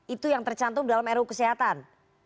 itu yang tercantum dalam ru kesehatan